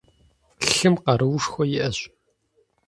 Лъым къаруушхуэ иӀэщ.